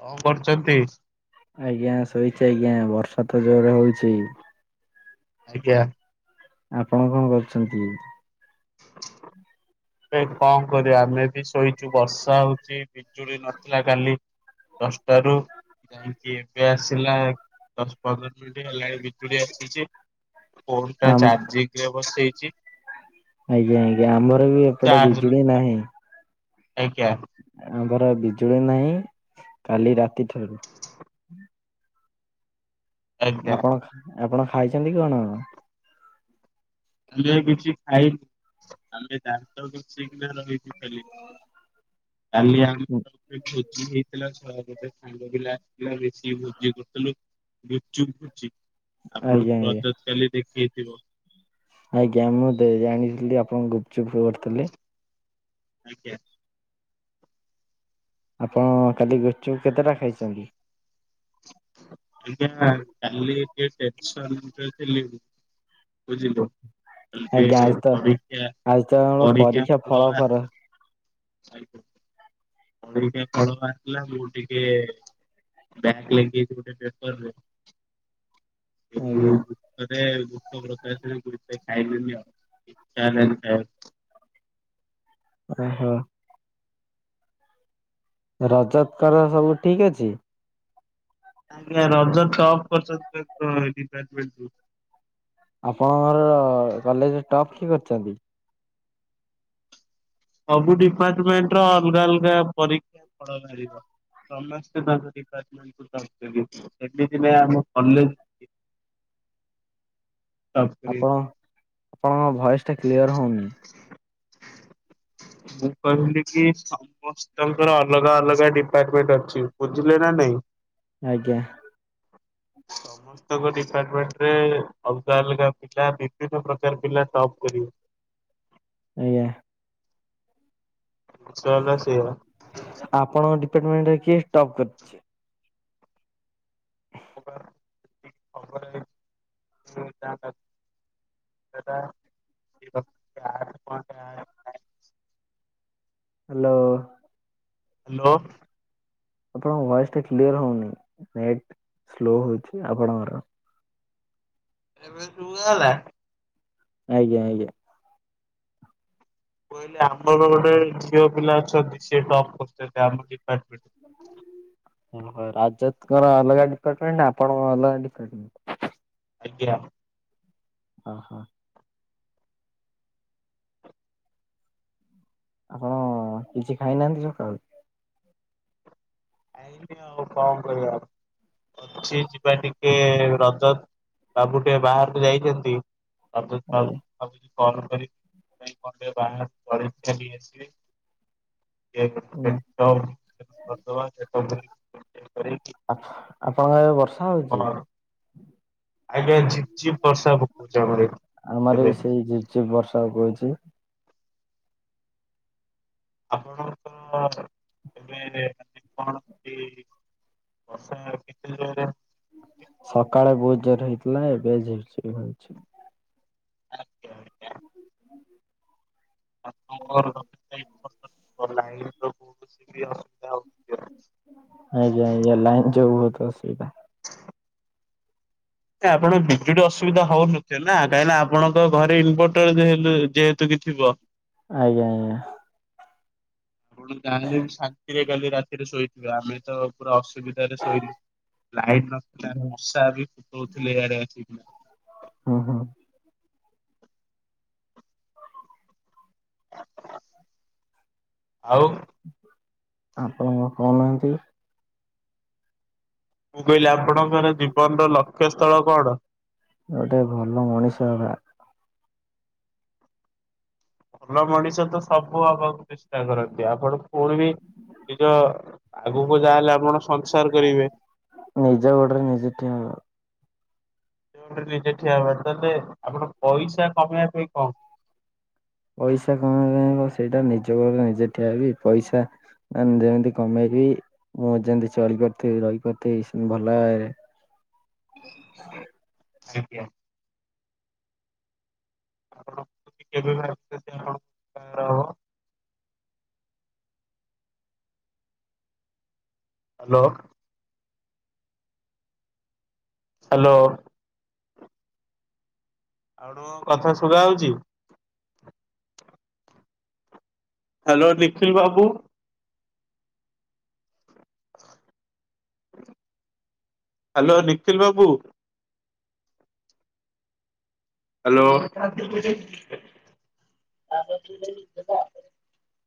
କଣ କରୁଚନ୍ତି? ଆଜ୍ଞା ଶୋଇଚି ଆଜ୍ଞା ବର୍ଷା ତ ଜୋରେ ହଉଚି। ଆଜ୍ଞା। ଆପଣ କଣ କରୁଚନ୍ତି? [inaudible] ଏ କଣ କରିବା ଆମେ ବି ଶୋଇଚୁ ବର୍ଷା ହଉଚି ବିଜୁଳି ନଥିଲା କାଲି। ଦଶଟାରୁ ଯାଇକି ଏବେ ଆସିଲା ଦଶ ପନ୍ଦର ହେଲାଣି ବିଜୁଳି ଆସିଚି ଫୋନଟା ଆମ୍ ଚାର୍ଜିଂରେ ବସେଇଛି। ଆଜ୍ଞା ଆଜ୍ଞା ଆମର ବି ଏପଟେ ଚାର୍ଜ ବିଜୁଳି ନଥିଲା ନାହିଁ। ଆଜ୍ଞା। ଆମ ଘର ବିଜୁଳି ନାହିଁ କାଲି ରାତିଠାରୁ। ଆଜ୍ଞା ଆପଣ ଆପଣ ଖାଇଚନ୍ତି କଣ? କିଛି ଖାଇନି ଆମେ ଦାନ୍ତ କିଛି କି ରହିଛି ଖାଲି। [inaudible] କାଲି ଆମ ଭୋଜି ହେଇଥିଲା ଛ ଗୋଟେ ସାଙ୍ଗ ପିଲା ପା ମିଶିକି ଭୁଜି କରୁଥିଲୁ ଗୁପଚୁପ ଭୋଜି ଆଜ୍ଞା ଆପଣଙ୍କୁ ଆଜ୍ଞା ରଜତ କାଲି ଦେଖି ଯିବ। ଆଜ୍ଞା ମୁଁ ଦେଇ ଜାଣିଥିଲି ଆପଣଙ୍କୁ ଗୁପଚୁପ କରିଥିଲି। ଆଜ୍ଞା। ଆପଣ କାଲି ଗୁପଚୁପ କେତେଟା ଖାଇଚନ୍ତି? ଆଜ୍ଞା କାଲି ଟିକେ ଟେନସନର ରେ ଥିଲି। ବୁଝିଲୁ? ଆଜ୍ଞା ପରୀକ୍ଷା ଆଜି ପରୀକ୍ଷା ତ [unintelligible] ଆଜି ତ ଆମର ପରୀକ୍ଷା ଫଳ ଫର ଆଜ୍ଞା ଆ ଟିକେ ଫଳ ବାହାରିଲା ମୁଁ ଟିକେ ବ୍ୟାକ ଲାଗିଯାଇଛି ଗୋଟେ ପେପର ରେ। ଆଜ୍ଞା ଦୁଃଖ ରେ ଦୁଃଖ ପ୍ରକାଶ କରିଥାଏ। ଖାଇଲିନି ଆଉ ଇଚ୍ଛା ହେଲାନି ଖାଇବାକୁ। ଓହୋ। ରଜତଙ୍କର ସବୁ ଠିକ ଅଛି? ର [unintelligible] ଟପ ଡିପାର୍ଟମେଣ୍ଟ ରୁ। ଆପଣଙ୍କର କଲେଜରେ ଟପ୍ କିଏ କରିଚନ୍ତି? ସବୁ ଡିପାର୍ଟମେଣ୍ଟ ର ଅଲଗା ଅଲଗା ପରୀକ୍ଷା ଫଳ ବାହାରିବ। ସମସ୍ତେ ତାଙ୍କ ଡିପାର୍ମେଣ୍ଟଙ୍କୁ ଯାଉଚନ୍ତି ଏମିତି ନାଇଁ ଆମ କଲେଜ [inaudible] ଟପ୍ କରିବେ। ଆପଣ ଆପଣଙ୍କ ଭଏସ ଟା କ୍ଲିୟର ହଉନି। ମୁଁ କହିଲି କି ସମସ୍ତଙ୍କର ଅଲଗା ଅଲଗା ଡିପାର୍ଟମେଣ୍ଟ ଅଛି ବୁଝିଲେ ନା ନାଇଁ? ହଁ [inaudible] ସମସ୍ତଙ୍କ ଡିପାର୍ଟମେଣ୍ଟରେ ଅଲଗା ଅଲଗା ପିଲା ବିଭିନ୍ନ ପ୍ରକାର ପିଲା ଟପ୍ କରିବେ। ଆଜ୍ଞା। ଜିନିଷ ହେଲା ସେଇଆ। ଆପଣଙ୍କ ଡିପାର୍ଟମେଣ୍ଟରେ କିଏ ଟପ୍ କରିଚି? [unintelligible] [unintelligible] [inaudible] ହାଲୋ। ହାଲୋ। ଆପଣଙ୍କ ଭଏସ ଟା କ୍ଲିୟର ହଉନି ନେଟ ସ୍ଲୋ ହଉଚି ଆପଣଙ୍କର। ଏବେ ସୁୁଭା ଗଲା? ଆଜ୍ଞା ଆଜ୍ଞା। କହିଲେ ଆମର ଗୋଟେ ଝିଅ ପିଲା ଅଛନ୍ତି ସିଏ ଟପ୍ କରି ଆମ ଡିପାର୍ମେଣ୍ଟ ହ ରାଜତଙ୍କର ଅଲଗା ଡିପାର୍ଟମେଣ୍ଟ ଆପଣଙ୍କ ଅଲଗା ଡିପାର୍ଟମେଣ୍ଟ। ଆଜ୍ଞା। ଓ ହୋ। ଆପଣ କିଛି ଖାଇନାହାନ୍ତି ସକାଳୁ? ଖାଇନି ଆଉ କଣ କରିବା ଆଉ। ଅଛି ଯିବା ଟିକେ ରଜତ ବାବୁ ଟିକେ ବାହାରକୁ ଯାଇଛନ୍ତି। [unintelligible] କଣ ଆଜ୍ଞା କରିବି [unintelligible] ଆସିଲି। [unintelligible] ଆ-ଆପଣଙ୍କ ଆଡ଼େ ବର୍ଷା ହଉଚି। କରିଦବା ଆଜ୍ଞା ଝିପଝିପ ବର୍ଷା ପକୋଉଚି ଆମର ଏଠି ଆମର ବି ଏବେ। ସେଇ ଝିପ୍ ଝିପ୍ ବର୍ଷା ପକଉଛି। ଆପଣଙ୍କ ଏବେ [unintelligible] କୌଣସି ବସା କେତ ଜୋରେ? ସକାଳେ ବହୁତ ଜୋର ହେଇଥିଲା ଏବେ ଝିପ୍ ଝିପ୍ ହେଉଛି। [unintelligible] [inaudible] ଆଜ୍ଞ ଆଜ୍ଞା ଲାଇନ ଯୋଗୁଁ ବହୁତ ଅସୁବିଧା। [inaudible] ଆପଣ ବିଜୁଳି ଅସୁବିଧା ହଉନଥିବ ନା କାହିଁକି ନା ଆପଣଙ୍କ ଘରେ ଇନଭର୍ଟର ଯେହେତୁ ଯେହେତୁ ଥିବ। ଆଜ୍ଞା ଆଜ୍ଞା। ଆପଣ ଜାଣିଲେ ଶାନ୍ତିରେ କାଲି ରାତିରେ ଶୋଇଥିବା ଆମେ ତ ପୁରା ଅସୁ ଅସୁବିଧାରେ ଶୋଇଲୁ ଲାଇଟ ନଥିଲା ମଶା ବି ଫୁଟଉଥିଲେ ଇଆଡେ ଆସିକି। ହଁ ହଁ। ଆଉ ଆପଣ କଣ କହୁନାହାନ୍ତି। ମୁଁ କହିଲି ଆପଣଙ୍କର ଜୀବନର ଲକ୍ଷ୍ୟସ୍ଥଳ କଣ? ଗୋଟେ ଭଲ ମଣିଷ ହେବା। ଭଲ ମଣିଷତ ସବୁ ହବାକୁ ଚେଷ୍ଟା କରନ୍ତି ଆପଣ ପୁଣି ବି ନିଜ ଆଗକୁ ଯାହାହେଲେ ଆପଣ ସଂସାର କରିବେ। ନିଜ ଗୋଡରେ ନିଜେ ଠିଆ ହୁଅ। ନିଜେ ଗୋଡ଼ରେ ନିଜେ ଠିଆ ହବା ତାହେଲେ ଆପଣ ପଇସା କମେଇବା ପାଇଁ କଣ? ପଇସା କଣ [unintelligible] ସେଇଟା ନିଜ ଗୋଡ଼ରେ ନିଜେ ଠିଆ ହେବି ପଇସା। ଯେମିତି କମେଇବି ମୁଁ ଯେମିତି ଚଳି ପାରୁଥିବି ରହିପାରୁଥିବି ସେମତି ଭଲଭାବରେ। ଆଜ୍ଞା। ଆପଣ [unintelligible] ହବ। ହ୍ୟାଲୋ। ହ୍ୟାଲୋ। ଆଉ ଗୋଟେ କଣ କଥା ଶୁବା ଯାଉଚି। ହ୍ୟାଲୋ ନିଖିଲ ବାବୁ। ହ୍ୟାଲୋ ନିଖିଲ ବାବୁ। ହ୍ୟାଲୋ। [unintelligible]